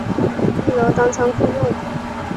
一楼当仓库用